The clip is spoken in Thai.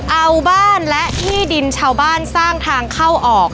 เอาบ้านและที่ดินชาวบ้านสร้างทางเข้าออก